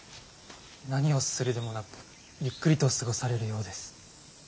何をするでもなくゆっくりと過ごされるようです。